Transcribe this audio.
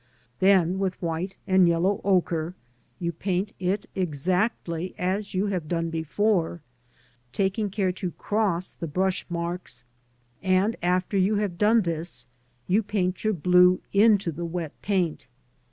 Then with white and yellow ochre you paint it exactly as you have done before, taking care to cross the brush marks, and after you have done this you paint your blue into the wet paint.